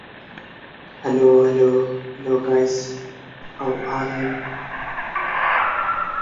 Rainfall is very sparse throughout the year, but more reliable in the winter months.